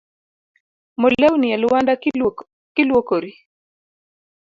Mo lewni e lwanda ki luokori.